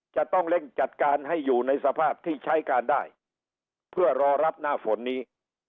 จะต้องเร่งจัดการให้อยู่ในสภาพที่ใช้การได้เพื่อรอรับหน้าฝนนี้